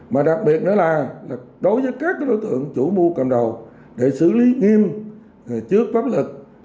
mà đặc biệt nữa là đối với các đối tượng chủ mưu cầm đầu để xử lý nghiêm trước pháp lực